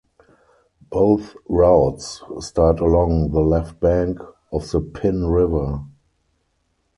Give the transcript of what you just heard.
Both routes start along the left bank of the Pin River.